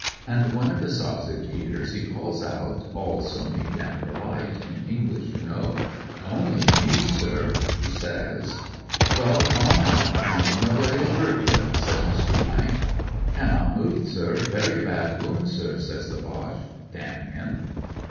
And one of the sausage eaters he calls out, all so meek an' perUte, in English, you know: * Only me, sir,' he says. *Well, come on out, an' nobody'll hurt ye,' says Mr. .* Cannot move, sir ; very bad wound, sir,' says the Boche— damn him!